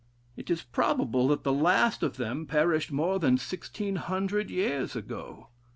It is probable that the last of them perished more than sixteen hundred years ago.